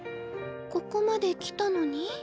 ここまで来たのに？